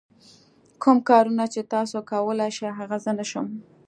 کوم کارونه چې تاسو کولای شئ هغه زه نه شم.